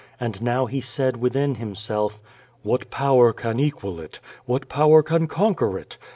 And now he said within himself: "What power can equal it? What power can conquer it?